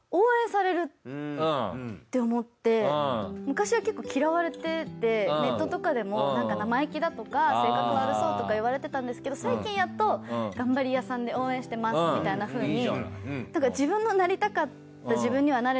昔は結構嫌われててネットとかでも生意気だとか性格悪そうとか言われてたんですけど最近やっと頑張り屋さんで応援してますみたいなふうに。